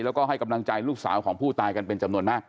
แล้วก็ให้กำลังใจลูกสาวของผู้ตายกันเป็นจำนวนมาก